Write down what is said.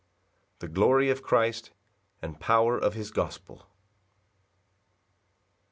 The glory of Christ, and power of his gospel.